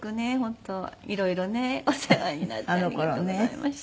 色々ねお世話になってありがとうございました。